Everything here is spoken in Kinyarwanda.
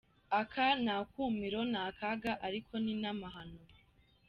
Aka ni akumiro, ni akaga, ariko ni n’amahano.